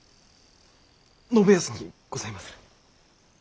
信康にございまする！